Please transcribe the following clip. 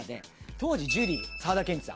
当時ジュリー沢田研二さん。